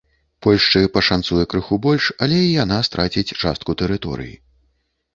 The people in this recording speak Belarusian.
Польшчы пашанцуе крыху больш, але і яна страціць частку тэрыторый.